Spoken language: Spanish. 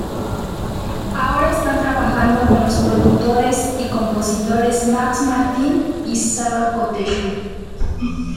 Ahora están trabajando con los productores y compositores Max Martin y Savan Kotecha.